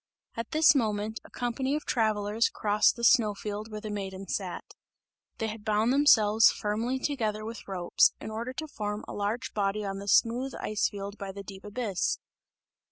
At this moment, a company of travellers crossed the snow field where the Maiden sat; they had bound themselves firmly together with ropes, in order to form a large body on the smooth ice field by the deep abyss.